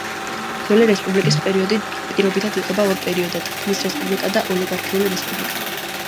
ძველი რესპუბლიკის პერიოდი პირობითად იყოფა ორ პერიოდად: „ხმლის რესპუბლიკა“ და „ოლიგარქიული რესპუბლიკა“.